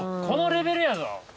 このレベルやぞ。